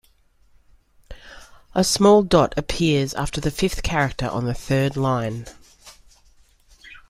A small dot appears after the fifth character on the third line.